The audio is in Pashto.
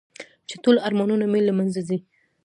چې ټول ارمانونه مې له منځه ځي .